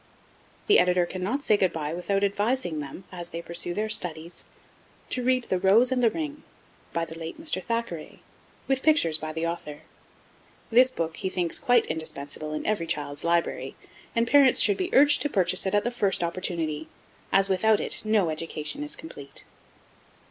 The Editor cannot say 'good bye' without advising them, as they pursue their studies, to read The Rose and the Ring, by the late Mr. Thackeray, with pictures by the author. This book he thinks quite indispensable in every child's library, and parents should be urged to purchase it at the first opportunity, as without it no education is complete.